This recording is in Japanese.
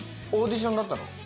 オーディションだったの？